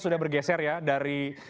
sudah bergeser ya dari